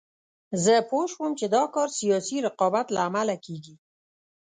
زه پوه شوم چې دا کار سیاسي رقابت له امله کېږي.